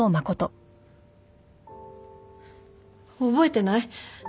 覚えてない？